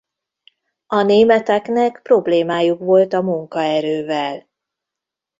A németeknek problémájuk volt a munkaerővel.